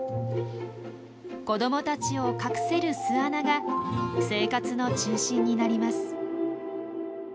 子どもたちを隠せる巣穴が生活の中心になります。